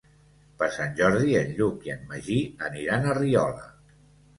Per Sant Jordi en Lluc i en Magí aniran a Riola.